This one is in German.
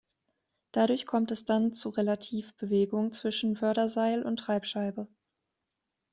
Dadurch kommt es dann zu Relativbewegung zwischen Förderseil und Treibscheibe.